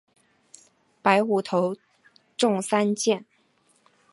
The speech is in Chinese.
白虎头中三箭。